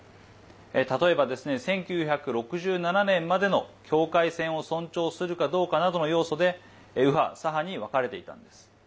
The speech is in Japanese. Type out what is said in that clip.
例えば１９６７年までの境界線を尊重するかどうかなどの要素で右派・左派に分かれていたんです。